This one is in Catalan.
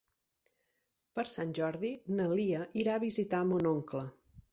Per Sant Jordi na Lia irà a visitar mon oncle.